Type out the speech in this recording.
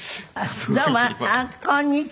どうもこんにちは。